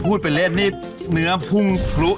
ไปเล่นนี่เนื้อพุ่งพลุ